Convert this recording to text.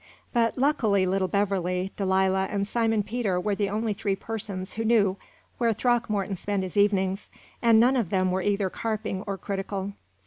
But luckily little Beverley, Delilah, and Simon Peter were the only three persons who knew where Throckmorton spent his evenings, and none of them were either carping or critical.